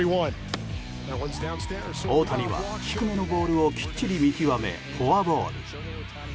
大谷は、低めのボールをきっちり見極めフォアボール。